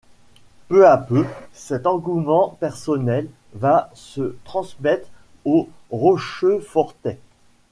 Peu à peu cet engouement personnel va se transmettre aux rochefortais.